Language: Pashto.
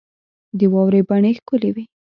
د واورې بڼې ښکلي وې.